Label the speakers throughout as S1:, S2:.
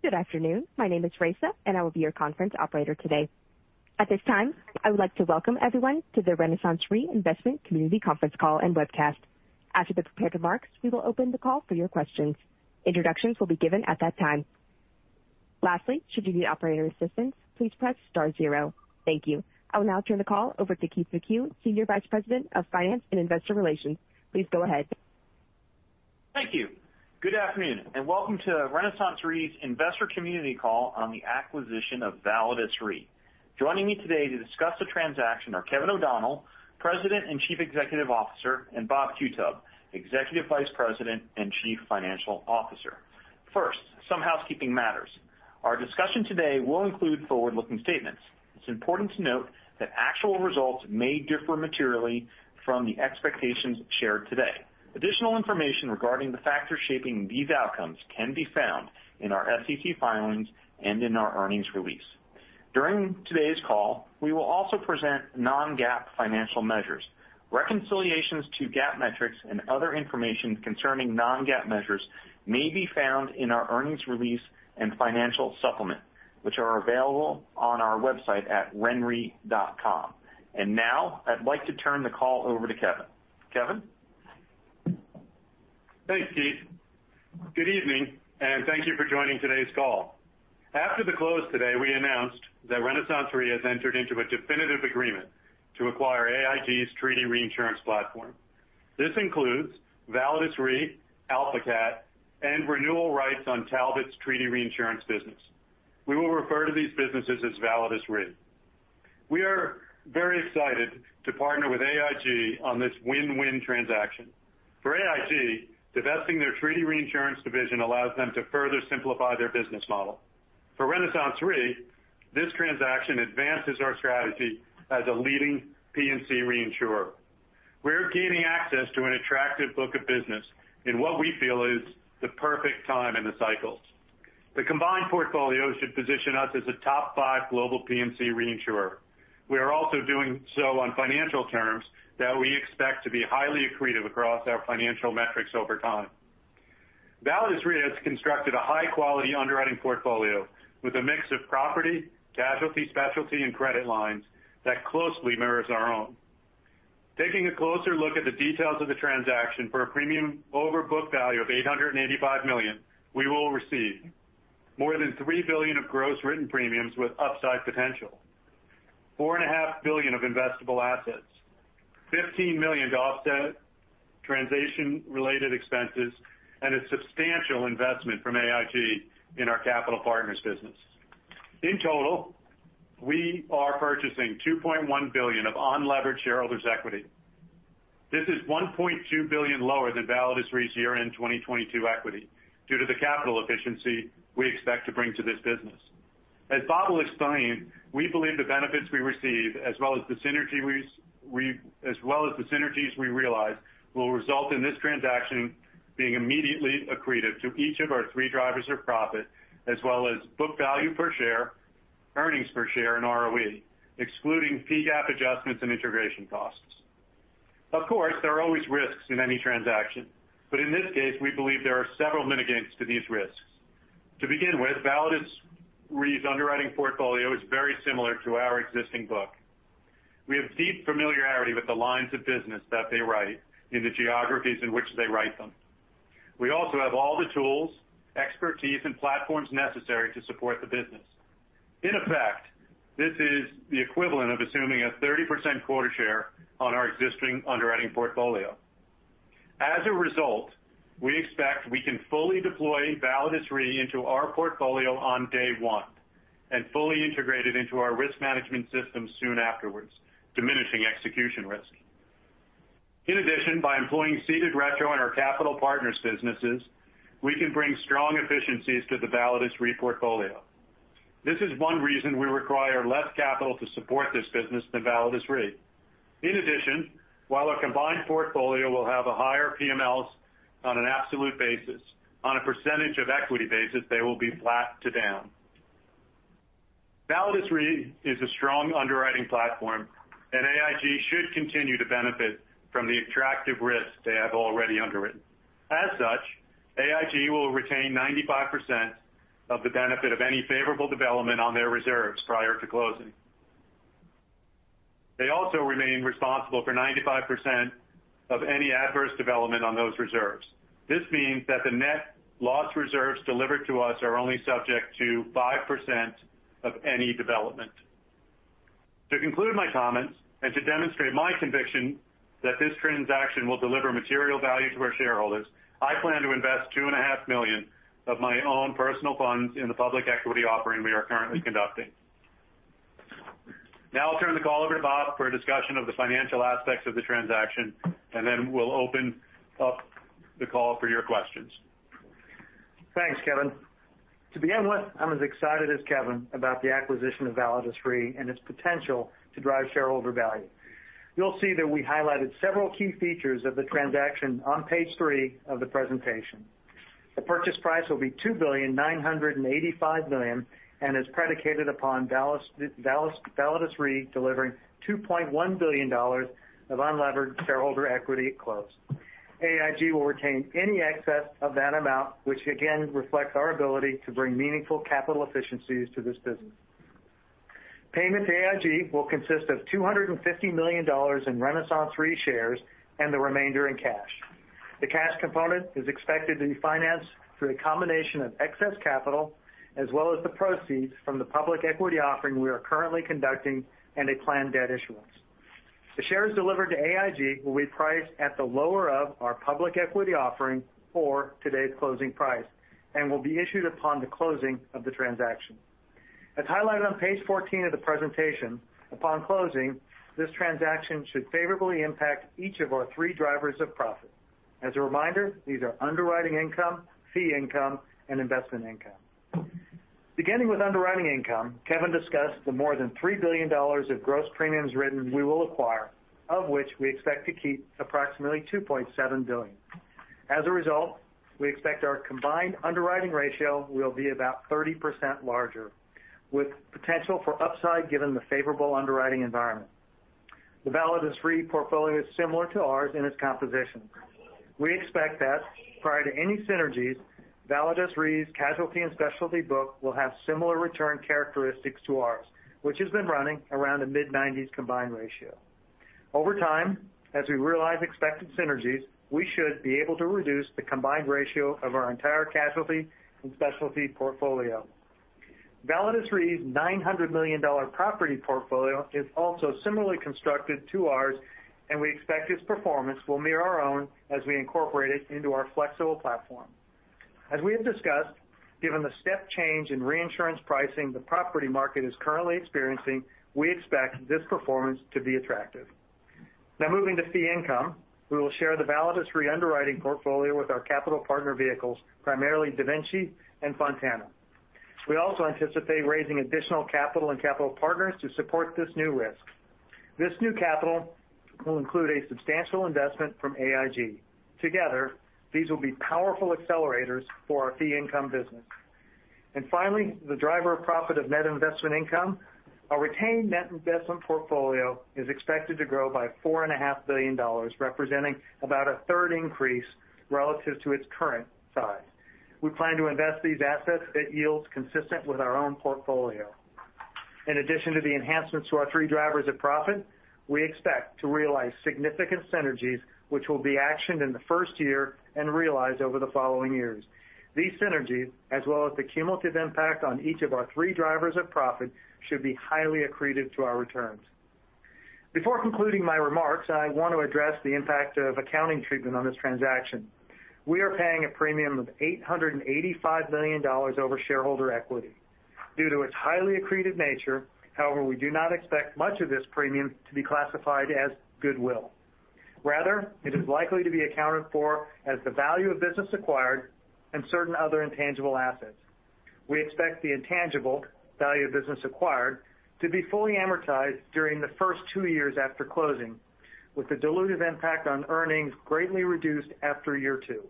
S1: Good afternoon. My name is Raisa. I will be your conference operator today. At this time, I would like to welcome everyone to the RenaissanceRe Investment Community Conference Call and Webcast. After the prepared remarks, we will open the call for your questions. Introductions will be given at that time. Lastly, should you need operator assistance, please press star zero. Thank you. I will now turn the call over to Keith McCue, Senior Vice President of Finance and Investor Relations. Please go ahead.
S2: Thank you. Good afternoon, and welcome to RenaissanceRe's Investor Community Call on the acquisition of Validus Re. Joining me today to discuss the transaction are Kevin O'Donnell, President and Chief Executive Officer, and Bob Qutub, Executive Vice President and Chief Financial Officer. First, some housekeeping matters. Our discussion today will include forward-looking statements. It's important to note that actual results may differ materially from the expectations shared today. Additional information regarding the factors shaping these outcomes can be found in our SEC filings and in our earnings release. During today's call, we will also present non-GAAP financial measures. Reconciliations to GAAP metrics and other information concerning non-GAAP measures may be found in our earnings release and financial supplement, which are available on our website at renre.com. Now I'd like to turn the call over to Kevin. Kevin?
S3: Thanks, Keith. Good evening, and thank you for joining today's call. After the close today, we announced that RenaissanceRe has entered into a definitive agreement to acquire AIG's treaty reinsurance platform. This includes Validus Re, AlphaCat, and renewal rights on Talbot's treaty reinsurance business. We will refer to these businesses as Validus Re. We are very excited to partner with AIG on this win-win transaction. For AIG, divesting their treaty reinsurance division allows them to further simplify their business model. For RenaissanceRe, this transaction advances our strategy as a leading P&C reinsurer. We're gaining access to an attractive book of business in what we feel is the perfect time in the cycles. The combined portfolio should position us as a top five global P&C reinsurer. We are also doing so on financial terms that we expect to be highly accretive across our financial metrics over time. Validus Re has constructed a high-quality underwriting portfolio with a mix of property, casualty, specialty, and credit lines that closely mirrors our own. Taking a closer look at the details of the transaction for a premium over book value of $885 million, we will receive more than $3 billion of gross written premiums with upside potential, $4.5 billion of investable assets, $15 million to offset transaction-related expenses, and a substantial investment from AIG in our capital partners business. In total, we are purchasing $2.1 billion of unlevered shareholders' equity. This is $1.2 billion lower than Validus Re's year-end 2022 equity due to the capital efficiency we expect to bring to this business. As Bob will explain, we believe the benefits we receive, as well as the synergies we realize will result in this transaction being immediately accretive to each of our three drivers of profit, as well as book value per share, earnings per share, and ROE, excluding PGAAP adjustments and integration costs. There are always risks in any transaction, but in this case, we believe there are several mitigants to these risks. Validus Re's underwriting portfolio is very similar to our existing book. We have deep familiarity with the lines of business that they write in the geographies in which they write them. We also have all the tools, expertise, and platforms necessary to support the business. This is the equivalent of assuming a 30% quota share on our existing underwriting portfolio. We expect we can fully deploy Validus Re into our portfolio on day one and fully integrate it into our risk management system soon afterwards, diminishing execution risk. By employing ceded retro in our capital partners businesses, we can bring strong efficiencies to the Validus Re portfolio. This is one reason we require less capital to support this business than Validus Re. While our combined portfolio will have a higher PMLs on an absolute basis, on a % of equity basis, they will be flat to down. Validus Re is a strong underwriting platform. AIG should continue to benefit from the attractive risks they have already underwritten. AIG will retain 95% of the benefit of any favorable development on their reserves prior to closing. They also remain responsible for 95% of any adverse development on those reserves. This means that the net loss reserves delivered to us are only subject to 5% of any development. To conclude my comments and to demonstrate my conviction that this transaction will deliver material value to our shareholders, I plan to invest two and a half million of my own personal funds in the public equity offering we are currently conducting. I'll turn the call over to Bob for a discussion of the financial aspects of the transaction, and then we'll open up the call for your questions.
S4: Thanks, Kevin. To begin with, I'm as excited as Kevin about the acquisition of Validus Re and its potential to drive shareholder value. You'll see that we highlighted several key features of the transaction on page three of the presentation. The purchase price will be $2.985 billion and is predicated upon Validus Re delivering $2.1 billion of unlevered shareholder equity at close. AIG will retain any excess of that amount, which again reflects our ability to bring meaningful capital efficiencies to this business. Payment to AIG will consist of $250 million in RenaissanceRe shares and the remainder in cash. The cash component is expected to be financed through a combination of excess capital as well as the proceeds from the public equity offering we are currently conducting and a planned debt issuance. The shares delivered to AIG will be priced at the lower of our public equity offering for today's closing price and will be issued upon the closing of the transaction. As highlighted on page 14 of the presentation, upon closing, this transaction should favorably impact each of our three drivers of profit. As a reminder, these are underwriting income, fee income, and investment income. Beginning with underwriting income, Kevin discussed the more than $3 billion of gross premiums written we will acquire, of which we expect to keep approximately $2.7 billion. As a result, we expect our combined underwriting ratio will be about 30% larger, with potential for upside given the favorable underwriting environment. The Validus Re portfolio is similar to ours in its composition.. We expect that prior to any synergies, Validus Re's casualty and specialty book will have similar return characteristics to ours, which has been running around the mid-90s combined ratio. Over time, as we realize expected synergies, we should be able to reduce the combined ratio of our entire casualty and specialty portfolio. Validus Re's $900 million property portfolio is also similarly constructed to ours, and we expect its performance will mirror our own as we incorporate it into our flexible platform. As we have discussed, given the step change in reinsurance pricing the property market is currently experiencing, we expect this performance to be attractive. Now moving to fee income. We will share the Validus Re underwriting portfolio with our capital partner vehicles, primarily DaVinci and Fontana. We also anticipate raising additional capital and capital partners to support this new risk. This new capital will include a substantial investment from AIG. Together, these will be powerful accelerators for our fee income business. Finally, the driver of profit of net investment income. Our retained net investment portfolio is expected to grow by $4.5 billion, representing about a 1/3 increase relative to its current size. We plan to invest these assets at yields consistent with our own portfolio. In addition to the enhancements to our three drivers of profit, we expect to realize significant synergies, which will be actioned in the first year and realized over the following years. These synergies as well as the cumulative impact on each of our three drivers of profit, should be highly accretive to our returns. Before concluding my remarks, I want to address the impact of accounting treatment on this transaction. We are paying a premium of $885 million over shareholder equity. Due to its highly accretive nature, however, we do not expect much of this premium to be classified as goodwill. Rather, it is likely to be accounted for as the value of business acquired and certain other intangible assets. We expect the intangible value of business acquired to be fully amortized during the first two years after closing, with the dilutive impact on earnings greatly reduced after year two.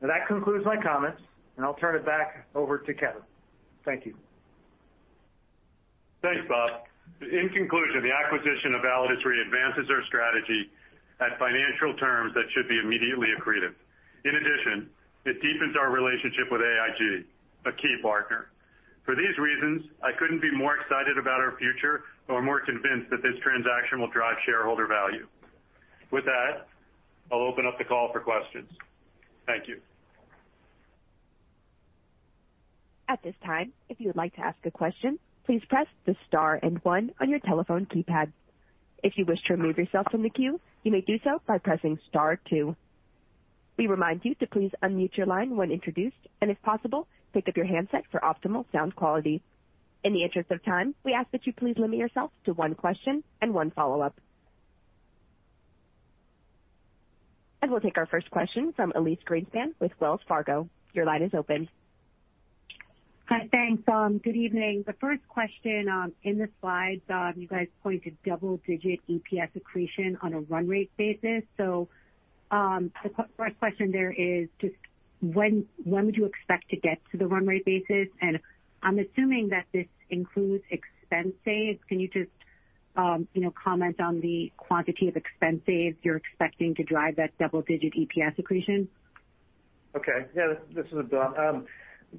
S4: That concludes my comments, I'll turn it back over to Kevin. Thank you.
S3: Thanks, Bob. In conclusion, the acquisition of Validus Re advances our strategy at financial terms that should be immediately accretive. In addition, it deepens our relationship with AIG, a key partner. For these reasons, I couldn't be more excited about our future or more convinced that this transaction will drive shareholder value. With that, I'll open up the call for questions. Thank you.
S1: At this time, if you would like to ask a question, please press the star and one on your telephone keypad. If you wish to remove yourself from the queue, you may do so by pressing star two. We remind you to please unmute your line when introduced and if possible, pick up your handset for optimal sound quality. In the interest of time, we ask that you please limit yourself to one question and one follow-up. We'll take our first question from Elyse Greenspan with Wells Fargo. Your line is open.
S5: Hi. Thanks. Good evening. The first question, in the slides, you guys pointed double-digit EPS accretion on a run rate basis. The first question there is just when would you expect to get to the run rate basis? I'm assuming that this includes expense saves. Can you just, you know, comment on the quantity of expense saves you're expecting to drive that double-digit EPS accretion?
S4: Okay. Yeah, this is Bob.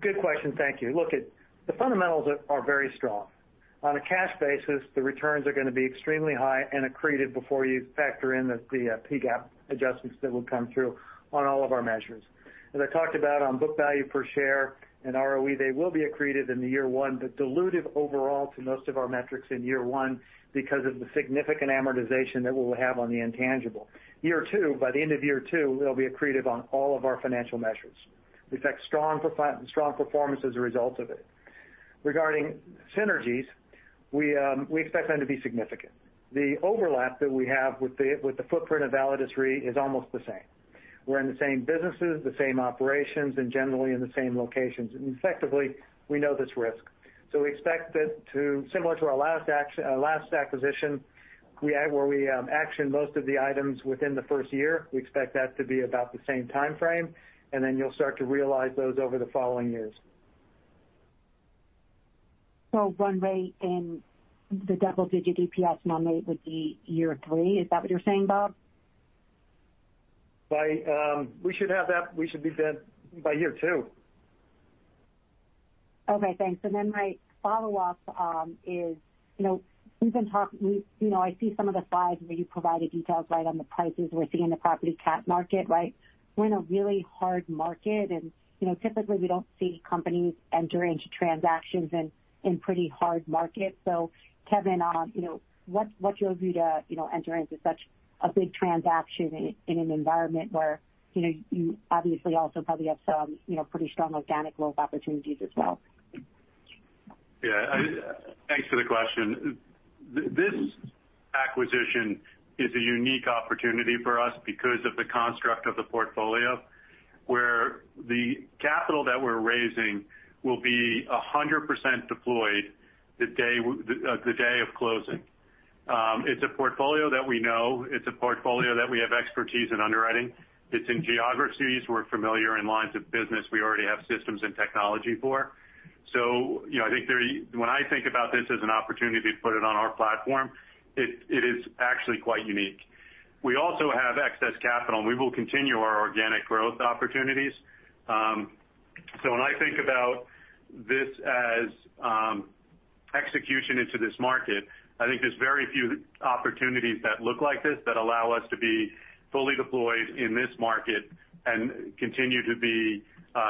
S4: Good question. Thank you. Look at the fundamentals are very strong. On a cash basis, the returns are gonna be extremely high and accreted before you factor in the PGAAP adjustments that will come through on all of our measures. As I talked about on book value per share and ROE, they will be accreted in year one, but dilutive overall to most of our metrics in year one because of the significant amortization that we'll have on the intangible. Year two, by the end of year two, we'll be accretive on all of our financial measures. We expect strong performance as a result of it. Regarding synergies, we expect them to be significant. The overlap that we have with the footprint of Validus Re is almost the same. We're in the same businesses, the same operations, and generally in the same locations, and effectively we know this risk. We expect it to similar to our last acquisition, we, where we action most of the items within the first year, we expect that to be about the same timeframe, and then you'll start to realize those over the following years.
S5: Run rate in the double-digit EPS run rate would be year three. Is that what you're saying, Bob?
S4: We should be done by year two.
S5: Okay, thanks. My follow-up, is, you know, you can talk, you know, I see some of the slides where you provided details right on the prices we're seeing in the property cat market, right? We're in a really hard market and, you know, typically, we don't see companies enter into transactions in pretty hard markets. Kevin, you know, what's your view to, you know, enter into such a big transaction in an environment where, you know, you obviously also probably have some, you know, pretty strong organic growth opportunities as well?
S3: Yeah, Thanks for the question. This acquisition is a unique opportunity for us because of the construct of the portfolio, where the capital that we're raising will be 100% deployed the day of closing. It's a portfolio that we know, it's a portfolio that we have expertise in underwriting. It's in geographies we're familiar in lines of business we already have systems and technology for. When I think about this as an opportunity to put it on our platform, it is actually quite unique. We also have excess capital, and we will continue our organic growth opportunities. When I think about this as execution into this market, I think there's very few opportunities that look like this that allow us to be fully deployed in this market and continue to be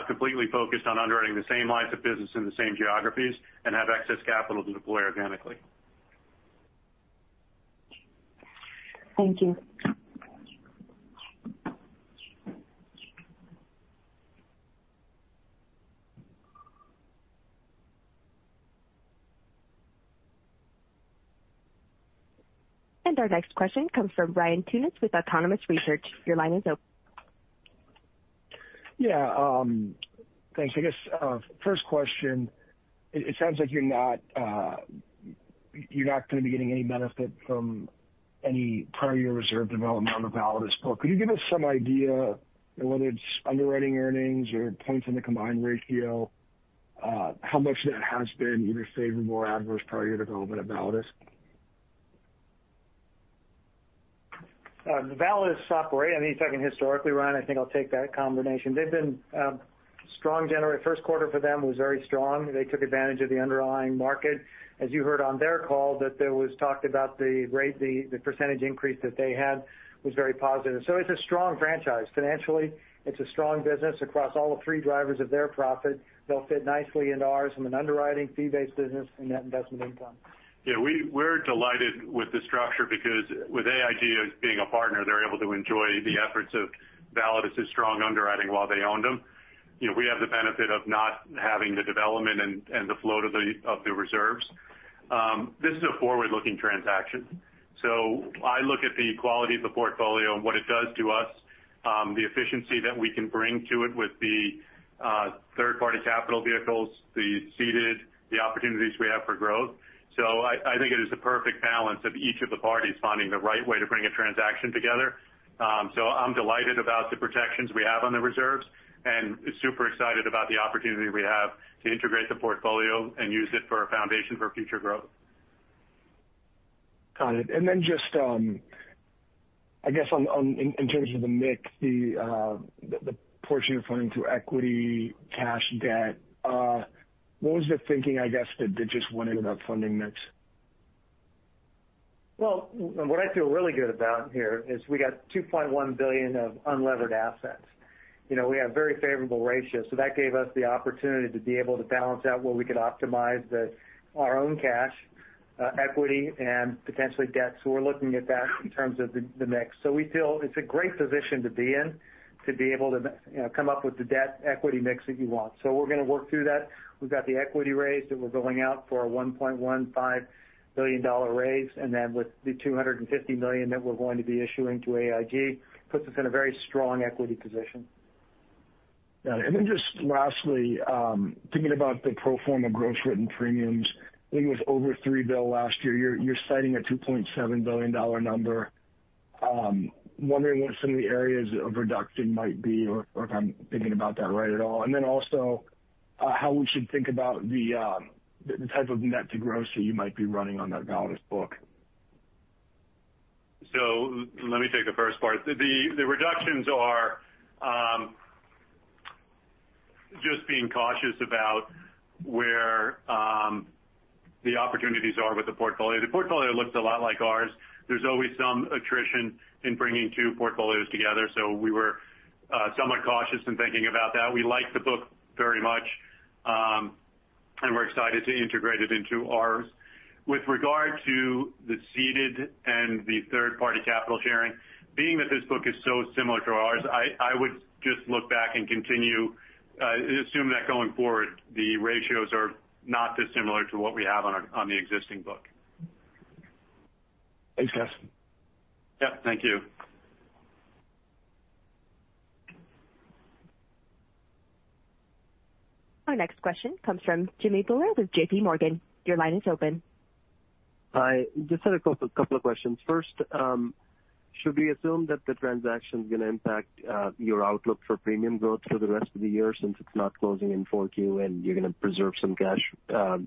S3: completely focused on underwriting the same lines of business in the same geographies and have excess capital to deploy organically.
S5: Thank you.
S1: Our next question comes from Ryan Tunis with Autonomous Research. Your line is open.
S6: Thanks. I guess, first question, it sounds like you're not gonna be getting any benefit from any prior year reserve development on the Validus book. Could you give us some idea whether it's underwriting earnings or points on the combined ratio, how much that has been either favorable or adverse prior year development at Validus?
S4: The Validus, I mean, if you're talking historically, Ryan, I think I'll take that combination. They've been strong generally. 1st quarter for them was very strong. They took advantage of the underlying market. As you heard on their call, that there was talked about the rate, the % increase that they had was very positive. It's a strong franchise. Financially, it's a strong business across all the three drivers of their profit. They'll fit nicely into ours from an underwriting fee-based business and net investment income.
S3: Yeah. We're delighted with the structure because with AIG as being a partner, they're able to enjoy the efforts of Validus' strong underwriting while they owned them. You know, we have the benefit of not having the development and the flow of the reserves. This is a forward-looking transaction, so I look at the quality of the portfolio and what it does to us, the efficiency that we can bring to it with the third-party capital vehicles, the ceded, the opportunities we have for growth. I think it is a perfect balance of each of the parties finding the right way to bring a transaction together. I'm delighted about the protections we have on the reserves, and super excited about the opportunity we have to integrate the portfolio and use it for a foundation for future growth.
S6: Got it. Just, I guess on, in terms of the mix, the portion you're putting to equity, cash, debt, what was the thinking, I guess, the just winning about funding mix?
S4: Well, what I feel really good about here is we got $2.1 billion of unlevered assets. You know, we have very favorable ratios, that gave us the opportunity to be able to balance out where we could optimize the, our own cash, equity and potentially debt. We're looking at that in terms of the mix. We feel it's a great position to be in, to be able to, you know, come up with the debt equity mix that you want. We're gonna work through that. We've got the equity raise that we're going out for, a $1.15 billion raise, and then with the $250 million that we're going to be issuing to AIG, puts us in a very strong equity position.
S6: Yeah. Just lastly, thinking about the pro forma of gross written premiums, I think it was over $3 billion last year. You're citing a $2.7 billion number. Wondering what some of the areas of reduction might be or if I'm thinking about that right at all. Also, how we should think about the type of net to gross that you might be running on that Validus book.
S3: Let me take the first part. The reductions are just being cautious about where the opportunities are with the portfolio. The portfolio looks a lot like ours. There's always some attrition in bringing two portfolios together, so we were somewhat cautious in thinking about that. We like the book very much, and we're excited to integrate it into ours. With regard to the ceded and the third-party capital sharing, being that this book is so similar to ours, I would just look back and continue and assume that going forward, the ratios are not dissimilar to what we have on our, on the existing book.
S6: Thanks, guys.
S3: Yep, thank you.
S1: Our next question comes from Jimmy Bhullar with JPMorgan. Your line is open.
S7: Hi. Just had a couple of questions. First, should we assume that the transaction's gonna impact your outlook for premium growth for the rest of the year since it's not closing in 4Q, and you're gonna preserve some cash to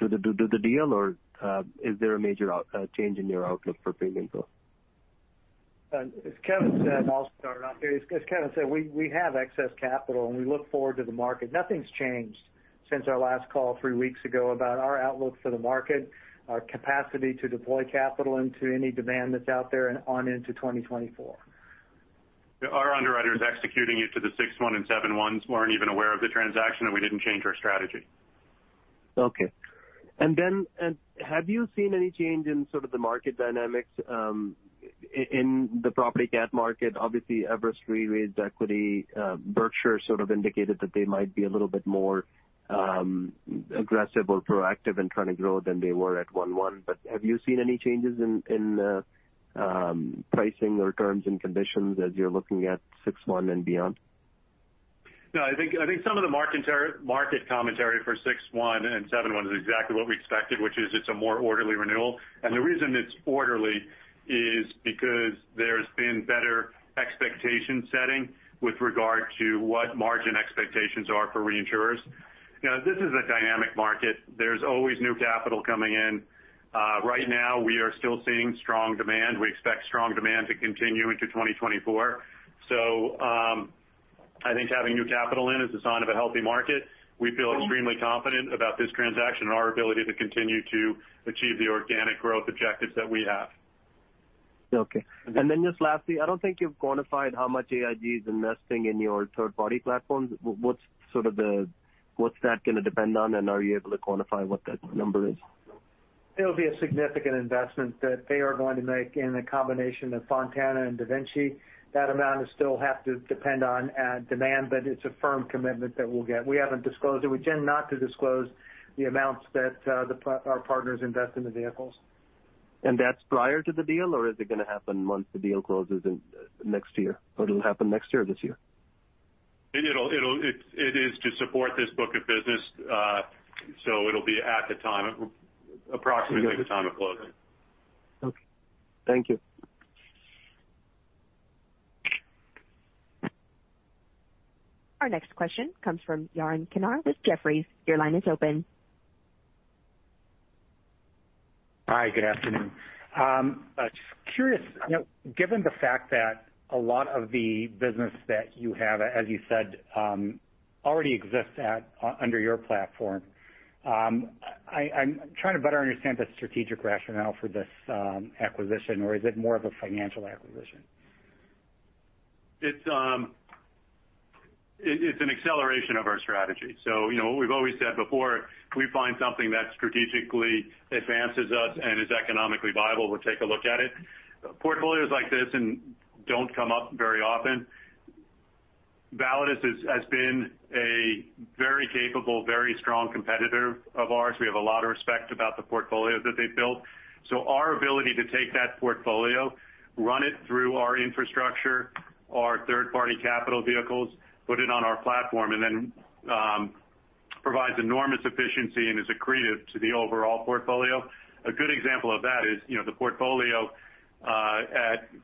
S7: do the deal? Or is there a major change in your outlook for premium growth?
S4: As Kevin said, I'll start off. As Kevin said, we have excess capital, and we look forward to the market. Nothing's changed since our last call three weeks ago about our outlook for the market, our capacity to deploy capital into any demand that's out there and on into 2024.
S3: Our underwriters executing it to the sixth one and seven ones weren't even aware of the transaction, and we didn't change our strategy.
S7: Okay. Have you seen any change in sort of the market dynamics, in the property cat market? Obviously, Everest Re raised equity. Berkshire sort of indicated that they might be a little bit more aggressive or proactive in trying to grow than they were at 1/1. Have you seen any changes in pricing or terms and conditions as you're looking at 6/1 and beyond?
S3: No, I think some of the market commentary for 6/1 and 7/1 is exactly what we expected, which is it's a more orderly renewal. The reason it's orderly is because there's been better expectation setting with regard to what margin expectations are for reinsurers. You know, this is a dynamic market. There's always new capital coming in. Right now, we are still seeing strong demand. We expect strong demand to continue into 2024. I think having new capital in is a sign of a healthy market. We feel extremely confident about this transaction and our ability to continue to achieve the organic growth objectives that we have.
S7: Okay. Just lastly, I don't think you've quantified how much AIG is investing in your third-party platforms. What's that gonna depend on, and are you able to quantify what that number is?
S4: It'll be a significant investment that they are going to make in a combination of Fontana and DaVinci. That amount will still have to depend on demand, but it's a firm commitment that we'll get. We haven't disclosed it. We tend not to disclose the amounts that our partners invest in the vehicles.
S7: That's prior to the deal, or is it gonna happen once the deal closes in next year? It'll happen next year or this year?
S3: It is to support this book of business. It'll be at the time, approximately the time of closing.
S7: Okay. Thank you.
S1: Our next question comes from Yaron Kinar with Jefferies. Your line is open.
S8: Hi, good afternoon. Just curious, you know, given the fact that a lot of the business that you have, as you said, already exists at under your platform, I'm trying to better understand the strategic rationale for this acquisition or is it more of a financial acquisition?
S3: It's an acceleration of our strategy. You know, we've always said before, if we find something that strategically advances us and is economically viable, we'll take a look at it. Portfolios like this and don't come up very often. Validus has been a very capable, very strong competitor of ours. We have a lot of respect about the portfolios that they've built. Our ability to take that portfolio, run it through our infrastructure, our third-party capital vehicles, put it on our platform, and then provides enormous efficiency and is accretive to the overall portfolio. A good example of that is, you know, the portfolio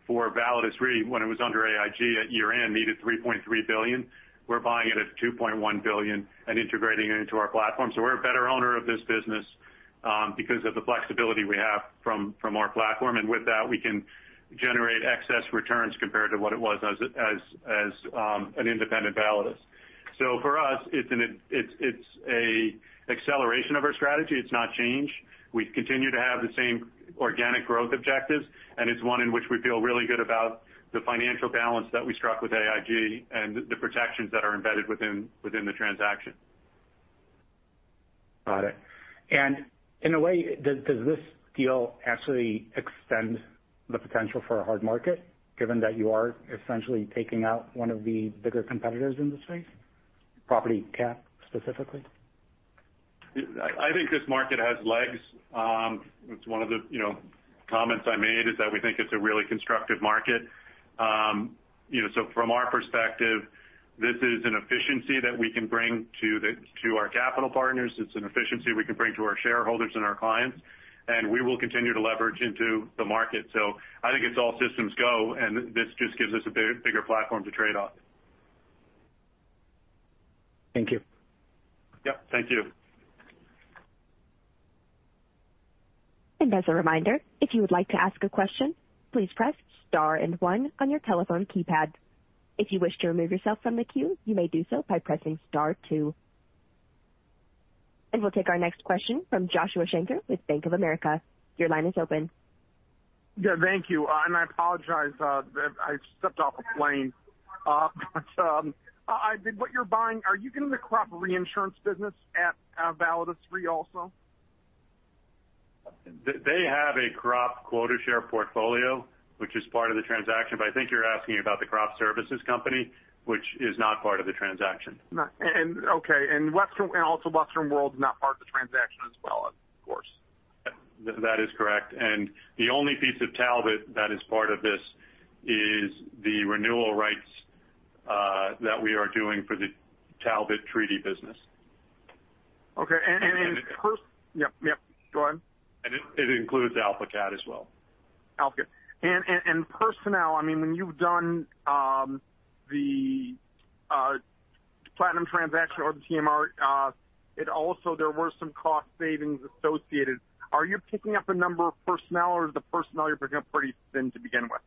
S3: for Validus Re, when it was under AIG at year-end, needed $3.3 billion. We're buying it at $2.1 billion and integrating it into our platform. We're a better owner of this business, because of the flexibility we have from our platform. With that, we can generate excess returns compared to what it was as an independent Validus. For us, it's an acceleration of our strategy. It's not change. We continue to have the same organic growth objectives, and it's one in which we feel really good about the financial balance that we struck with AIG and the protections that are embedded within the transaction.
S8: Got it. In a way, does this deal actually extend the potential for a hard market, given that you are essentially taking out one of the bigger competitors in the space, property cat, specifically?
S3: I think this market has legs. It's one of the, you know, comments I made is that we think it's a really constructive market. From our perspective, this is an efficiency that we can bring to our capital partners. It's an efficiency we can bring to our shareholders and our clients, and we will continue to leverage into the market. I think it's all systems go, and this just gives us a bigger platform to trade off.
S8: Thank you.
S3: Yep, thank you.
S1: As a reminder, if you would like to ask a question, please press star and one on your telephone keypad. If you wish to remove yourself from the queue, you may do so by pressing star two. We'll take our next question from Joshua Shanker with Bank of America. Your line is open.
S9: Yeah, thank you. I apologize, that I just stepped off a plane. What you're buying, are you getting the crop reinsurance business at Validus Re also?
S3: They have a crop quota share portfolio, which is part of the transaction. I think you're asking about the crop services company, which is not part of the transaction.
S9: No. Okay, and Western World is not part of the transaction as well, of course.
S3: That is correct. The only piece of Talbot that is part of this is the renewal rights that we are doing for the Talbot Treaty business.
S9: Okay.
S3: And it-
S9: Yep, yep. Go ahead.
S3: It includes AlphaCat as well.
S9: Alpha. Personnel, I mean, when you've done Platinum transaction or the TMR, it also there were some cost savings associated. Are you picking up a number of personnel or is the personnel you're picking up pretty thin to begin with?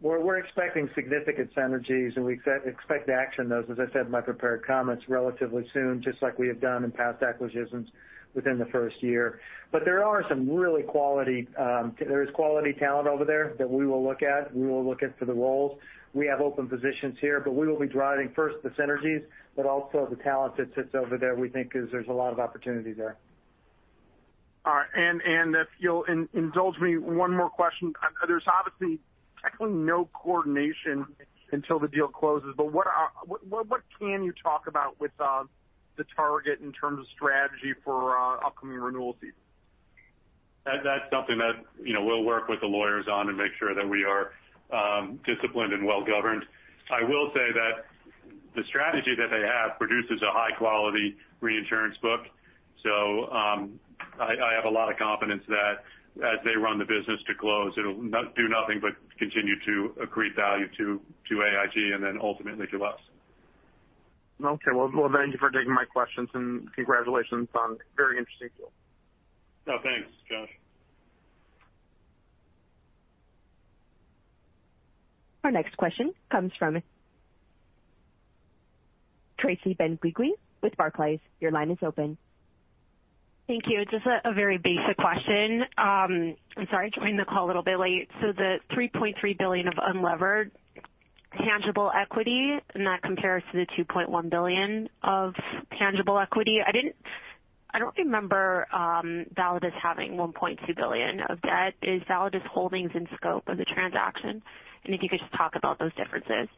S4: We're expecting significant synergies, and we expect to action those, as I said in my prepared comments, relatively soon, just like we have done in past acquisitions within the first year. There are some really quality, there is quality talent over there that we will look at. We will look at for the roles. We have open positions here, but we will be driving first the synergies, but also the talent that sits over there, we think is there's a lot of opportunity there.
S9: All right. And if you'll indulge me, one more question. There's obviously technically no coordination until the deal closes, but what can you talk about with the target in terms of strategy for upcoming renewal season?
S3: That's something that, you know, we'll work with the lawyers on and make sure that we are disciplined and well-governed. I will say that the strategy that they have produces a high-quality reinsurance book. I have a lot of confidence that as they run the business to close, it'll do nothing but continue to accrete value to AIG and then ultimately to us.
S9: Okay. Well, thank you for taking my questions and congratulations on a very interesting deal.
S3: Oh, thanks, Josh.
S1: Our next question comes from Tracy Dolin-Benguigui with Barclays. Your line is open.
S10: Thank you. Just a very basic question. I'm sorry, I joined the call a little bit late. The $3.3 billion of unlevered tangible equity, and that compares to the $2.1 billion of tangible equity. I don't remember Validus having $1.2 billion of debt. Is Validus Holdings in scope of the transaction? If you could just talk about those differences.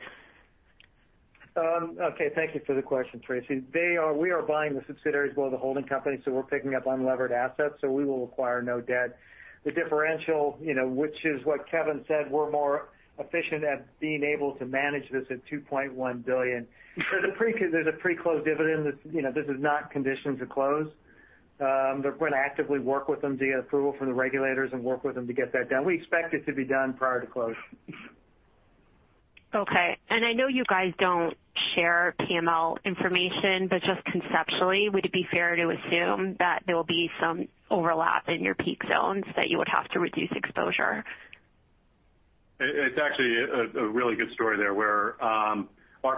S4: Okay. Thank you for the question, Tracy. We are buying the subsidiaries as well as the holding company, so we're picking up unlevered assets, so we will require no debt. The differential, you know, which is what Kevin said, we're more efficient at being able to manage this at $2.1 billion. There's a pre-close dividend that, you know, this is not conditioned to close. We're going to actively work with them to get approval from the regulators and work with them to get that done. We expect it to be done prior to close.
S10: Okay. I know you guys don't share PML information, but just conceptually, would it be fair to assume that there will be some overlap in your peak zones that you would have to reduce exposure?
S3: It's actually a really good story there, where our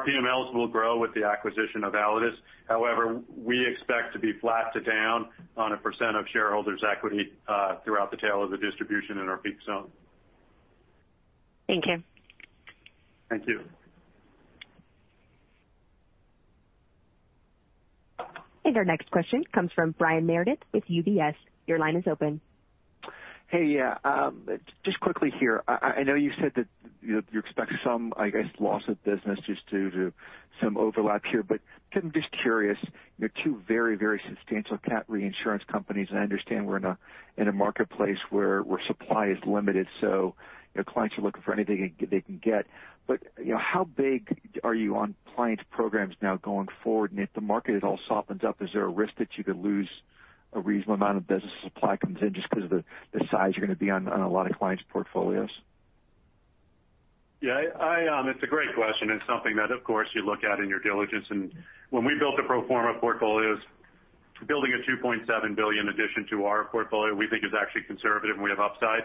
S3: PMLs will grow with the acquisition of Validus. However, we expect to be flat to down on a percent of shareholders' equity throughout the tail of the distribution in our peak zone.
S10: Thank you.
S3: Thank you.
S1: Our next question comes from Brian Meredith with UBS. Your line is open.
S11: Hey. Yeah. Just quickly here. I know you said that you expect some, I guess, loss of business just due to some overlap here, kind of just curious, you know, two very, very substantial cat reinsurance companies. I understand we're in a, in a marketplace where supply is limited, so, you know, clients are looking for anything they can get. You know, how big are you on client programs now going forward? If the market all softens up, is there a risk that you could lose a reasonable amount of business as supply comes in just 'cause of the size you're gonna be on a lot of clients' portfolios?
S3: Yeah, I, it's a great question. It's something that, of course, you look at in your diligence. When we built the pro forma portfolios, building a $2.7 billion addition to our portfolio, we think is actually conservative, and we have upside.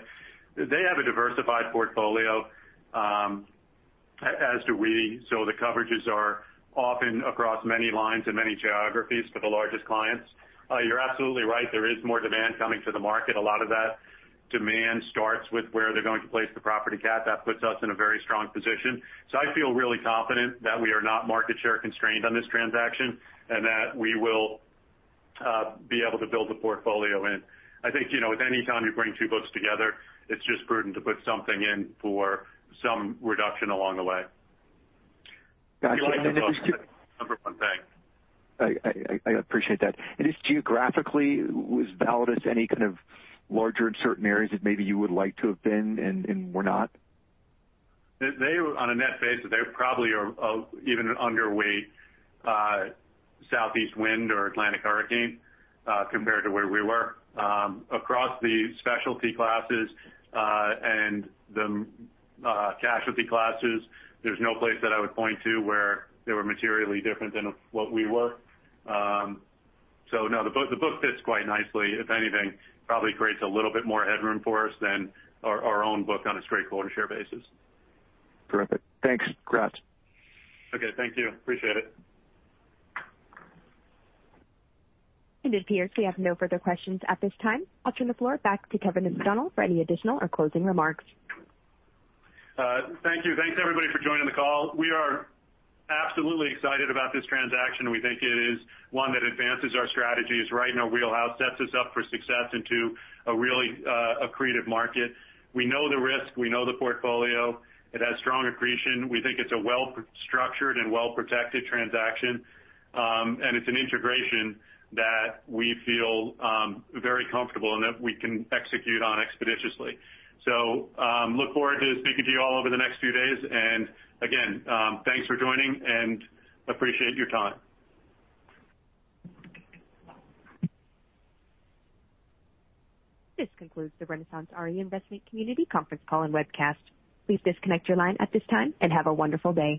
S3: They have a diversified portfolio, as do we, so the coverages are often across many lines and many geographies for the largest clients. You're absolutely right. There is more demand coming to the market. A lot of that demand starts with where they're going to place the property cat. That puts us in a very strong position. I feel really confident that we are not market share constrained on this transaction and that we will be able to build a portfolio in. I think, you know, with any time you bring two books together, it's just prudent to put something in for some reduction along the way.
S11: Got you.
S3: Number one thing.
S11: I appreciate that. Just geographically, was Validus any kind of larger in certain areas that maybe you would like to have been and were not?
S3: They, on a net basis, they probably are even underweight southeast wind or Atlantic hurricane compared to where we were. Across the specialty classes, and the casualty classes, there's no place that I would point to where they were materially different than what we were. No, the book fits quite nicely. If anything, probably creates a little bit more headroom for us than our own book on a straightforward share basis.
S11: Terrific. Thanks. Congrats.
S3: Okay, thank you. Appreciate it.
S1: It appears we have no further questions at this time. I'll turn the floor back to Kevin O'Donnell for any additional or closing remarks.
S3: Thank you. Thanks, everybody for joining the call. We are absolutely excited about this transaction. We think it is one that advances our strategies right in our wheelhouse, sets us up for success into a really, accretive market. We know the risk. We know the portfolio. It has strong accretion. We think it's a well-structured and well-protected transaction. It's an integration that we feel very comfortable and that we can execute on expeditiously. Look forward to speaking to you all over the next few days. Again, thanks for joining and appreciate your time.
S1: This concludes the RenaissanceRe Investment Community Conference Call and Webcast. Please disconnect your line at this time and have a wonderful day.